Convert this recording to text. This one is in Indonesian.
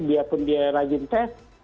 biapun dia rajin tes